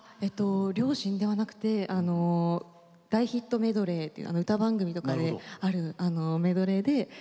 両親ではなくて大ヒットメドレーという歌番組とかであるメドレーで一目ぼれをしたという。